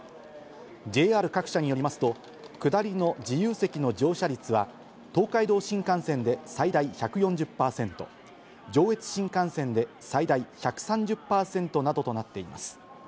ＪＲ各社によりますと、下りの自由席の乗車率は、東海道新幹線で最大１４０％、上越新幹線で最大１３０％などとなっています。